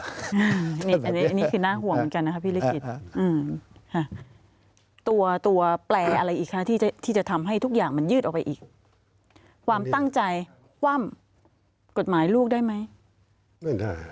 เลยคืณห่วงกันนะครับไอตัวตัวปลายอะไรค่ะที่จะทำให้ทุกอย่างมันยืดออกอีกความตั้งใจว่ำกฎหมายรูปได้ไหม